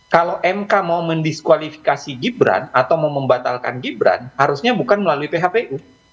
kalau mk mau mendiskualifikasi gibran atau mau membatalkan gibran harusnya bukan melalui phpu